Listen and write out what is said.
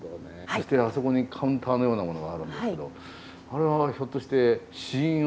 そしてあそこにカウンターのようなものがあるんですけどあれはひょっとして試飲をする所なんですか？